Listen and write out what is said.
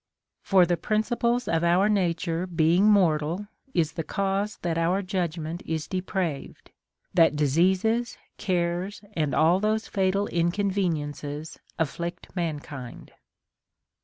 For the principles of our nature being mortal is the cause that our judgment is depraved, that diseases, cares, and all those fatal inconveniences afflict mankind."